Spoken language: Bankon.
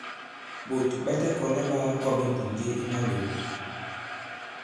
Ɓòt ɓa ta kɔ̀la ɓa kakɔm ibùnje i malew.